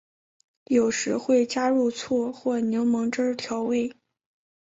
有时会加入醋或柠檬汁调味。